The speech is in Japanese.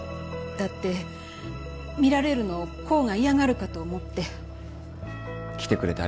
だって見られるの功が嫌がるかと思って来てくれて